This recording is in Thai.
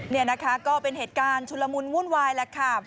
นี่นะคะก็เป็นเหตุการณ์ชุลมุนวุ่นวายแล้วค่ะ